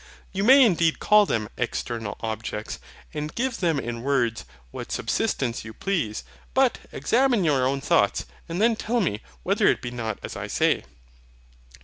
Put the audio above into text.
You may indeed call them EXTERNAL OBJECTS, and give them in words what subsistence you please. But, examine your own thoughts, and then tell me whether it be not as I say?